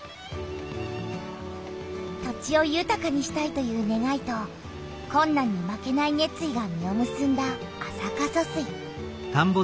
土地をゆたかにしたいというねがいとこんなんに負けないねつ意が実をむすんだ安積疏水。